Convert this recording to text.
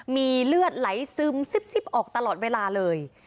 มีเลือดไหลซึมซิบออกตลอดเวลาเลย